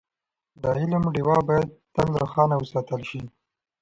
د علم ډېوه باید تل روښانه وساتل شي.